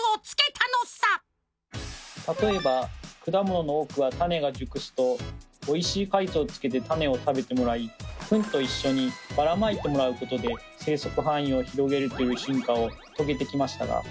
例えば果物の多くは種が熟すとおいしい果実をつけて種を食べてもらいフンと一緒にばらまいてもらうことで生息範囲を広げるという進化を遂げてきましたが。